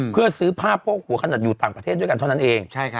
เพื่อซื้อผ้าโพกหัวขนาดอยู่ต่างประเทศด้วยกันเท่านั้นเอง